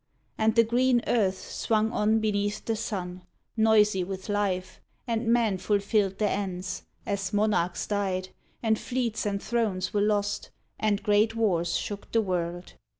And the green earth swung on beneath the sun, Noisy with life, and men fulfilled their ends, As monarchs died, and fleets and thrones were lost, And great wars shook the world.